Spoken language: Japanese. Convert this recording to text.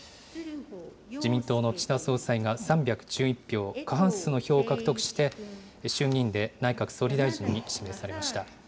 自民党の岸田総裁が３１１票、過半数の票を獲得して、衆議院で内閣総理大臣に指名されました。